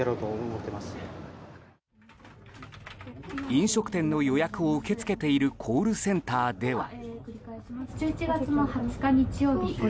飲食店の予約を受け付けているコールセンターでは。